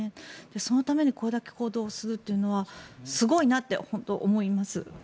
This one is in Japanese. そのためにこれだけ行動するのはすごいなと本当に思います。